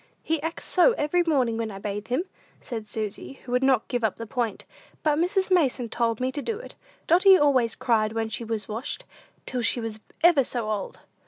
"He acts so every morning when I bathe him," said Susy, who would not give up the point; "but Mrs. Mason told me to do it! Dotty always cried when she was washed, till she was ever so old."